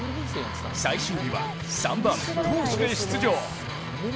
最終日は３番・投手で出場。